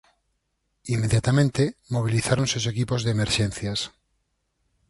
Inmediatamente, mobilizáronse os equipos de emerxencias.